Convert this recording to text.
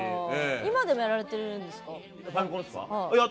今でもやられてるんですか？